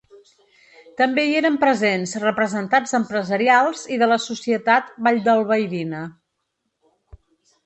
També hi eren presents representats empresarials i de la societat valldalbaidina.